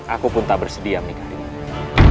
aku pun tak bersedia menikah dirinya